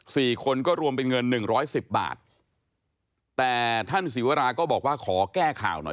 สี่คนก็รวมเป็นเงินหนึ่งร้อยสิบบาทแต่ท่านศิวราก็บอกว่าขอแก้ข่าวหน่อย